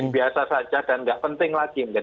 biasa saja dan nggak penting lagi mungkin